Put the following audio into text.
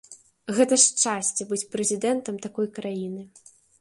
Гэта шчасце быць прэзідэнтам такой краіны.